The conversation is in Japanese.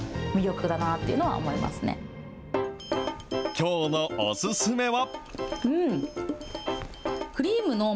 きょうのお薦めは？